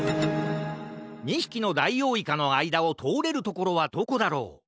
２ひきのダイオウイカのあいだをとおれるところはどこだろう？